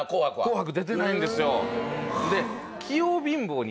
『紅白』出てないんですよ。